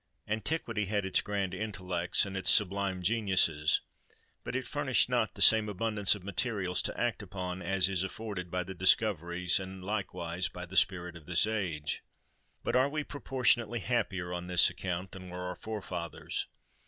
Antiquity had its grand intellects and its sublime geniuses; but it furnished not the same abundance of materials to act upon as is afforded by the discoveries and likewise by the spirit of this age! But are we proportionately happier, on this account, than were our forefathers?